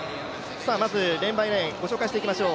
まずレーンバイレーン、ご紹介していきましょう。